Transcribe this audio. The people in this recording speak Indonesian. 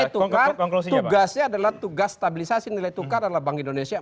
nilai tukar tugasnya adalah tugas stabilisasi nilai tukar adalah bank indonesia